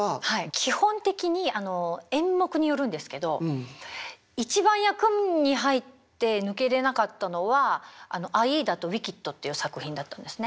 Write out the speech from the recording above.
基本的にあの演目によるんですけど一番役に入って抜けれなかったのは「アイーダ」と「ウィキッド」っていう作品だったんですね。